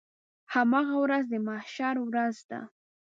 هماغه ورځ د محشر ورځ ده.